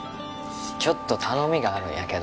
ちょっと頼みがあるんやけど